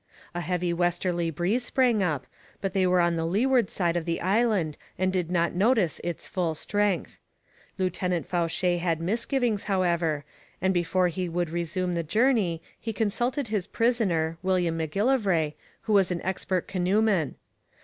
A heavy westerly breeze sprang up, but they were on the leeward side of the island and did not notice its full strength. Lieutenant Fauché had misgivings, however, and before he would resume the journey he consulted his prisoner, William M'Gillivray, who was an expert canoeman.